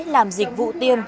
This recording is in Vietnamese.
làm dịch vụ tiêm